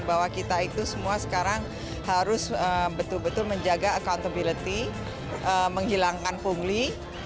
bahwa kita itu semua sekarang harus betul betul menjaga accountability menghilangkan pungli